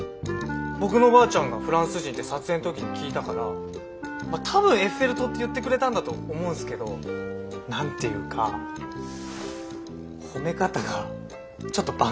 僕のばあちゃんがフランス人って撮影の時に聞いたから多分エッフェル塔って言ってくれたんだと思うんすけど何ていうか褒め方がちょっと坂東さんっぽくて。